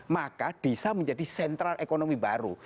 maka desa menjadi sentral ekonomi baru